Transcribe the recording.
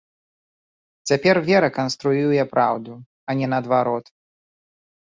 Цяпер вера канструюе праўду, а не наадварот.